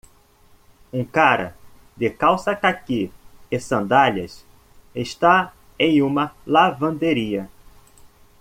Um cara de calça cáqui e sandálias está em uma lavanderia.